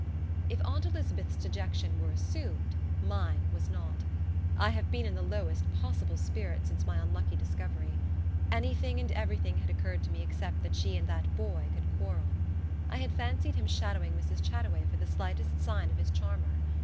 If Aunt Elizabeth's dejection were assumed, mine was not. I have been in the lowest possible spirits since my unlucky discovery. Anything and everything had occurred to me except that she and that boy could quarrel. I had fancied him shadowing Mrs. Chataway for the slightest sign of his charmer.